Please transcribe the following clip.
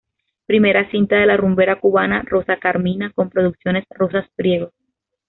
Primera cinta de la rumbera cubana Rosa Carmina con Producciones Rosas Priego.